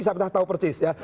saya tidak tahu persis